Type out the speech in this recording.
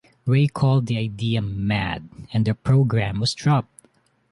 Ray called the idea "mad", and the programme was dropped.